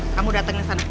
kamu datang ke sana